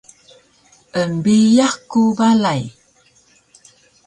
Embiyax ku balay